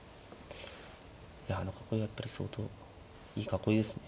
いやあの囲いはやっぱり相当いい囲いですね。